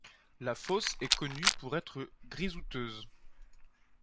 La fosse est connue pour être grisouteuse.